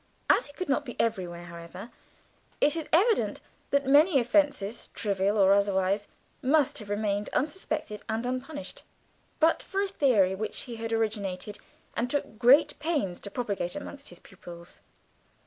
As he could not be everywhere, however, it is evident that many offences, trivial or otherwise, must have remained unsuspected and unpunished, but for a theory which he had originated and took great pains to propagate amongst his pupils.